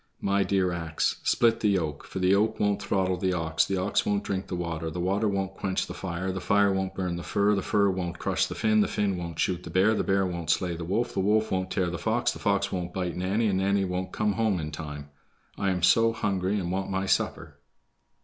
"My dear ax, split the yoke, for the yoke won't throttle the ox, the ox won't drink the water, the water won't quench the fire, the fire won't burn the fir, the fir won't crush the Finn, the Finn won't shoot the bear, the bear won't slay the wolf, the wolf won't tear the fox, the fox won't bite Nanny, and Nanny won't come home in time, I am so hungry and want my supper."